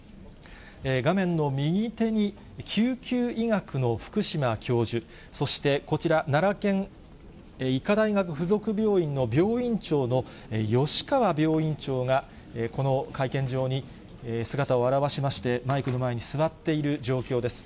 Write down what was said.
画面の右手に、救急医学の福島教授、そしてこちら、奈良県医科大学附属病院の病院長の吉川病院長がこの会見場に姿を現しまして、マイクの前に座っている状況です。